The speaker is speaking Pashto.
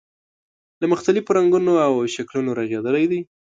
له مختلفو رنګونو او شکلونو رغېدلی دی.